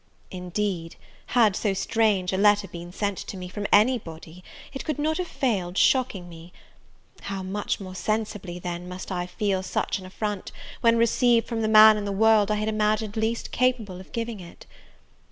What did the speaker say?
Indeed, had so strange a letter been sent to me from any body, it could not have failed shocking me; how much more sensibly, then, must I feel such an affront, when received from the man in the world I had imagined least capable of giving it?